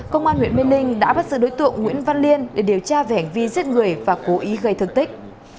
công an huyện biên ninh đã bắt giữ đối tượng nguyễn văn liên để điều tra vẻnh vi giết người và cố ý gây thương tích